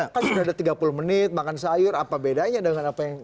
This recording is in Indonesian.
kan sudah ada tiga puluh menit makan sayur apa bedanya dengan apa yang